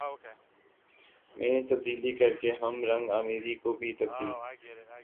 میں تبدیلی کر کے ہم رنگ آمیزی کو بھی تبدیل